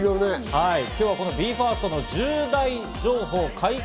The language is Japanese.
今日は、このＢＥ：ＦＩＲＳＴの重大情報解禁